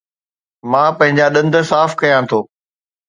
مان پنهنجا ڏند صاف ڪيان ٿو